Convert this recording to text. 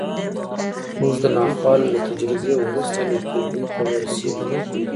موږ د ناخوالو له تجربې وروسته نېکمرغۍ ته رسېږو